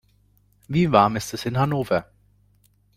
Wie warm ist es in Hannover?